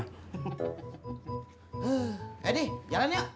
eh eh di jalan yuk